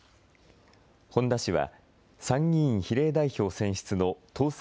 本田氏は参議院比例代表選出の当選